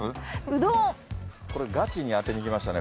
これガチに当てにいきましたね